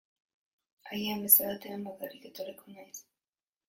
Agian beste batean bakarrik etorriko naiz.